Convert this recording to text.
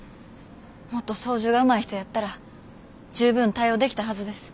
もっと操縦がうまい人やったら十分対応できたはずです。